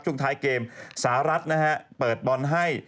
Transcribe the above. ช่วงท้ายเกมสหรัฐนะฮะเปิดบอลให้